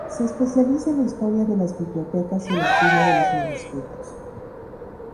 Se especializa en la historia de las bibliotecas y el estudio de los manuscritos.